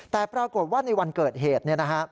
แต่ปรากฏว่าในวันเกิดเหตุ